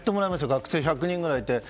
学生１００人くらいいて。